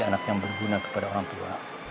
anak yang berguna kepada orang tua